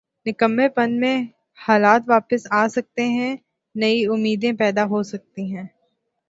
نکمّے پن میں حالات واپس جا سکتے ہیں یا نئی امیدیں پیدا ہو سکتی ہیں۔